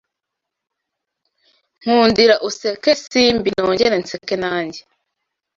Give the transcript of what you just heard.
Nkundira useke Simbi Nongere nseke nanjye